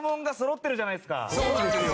そうですよ。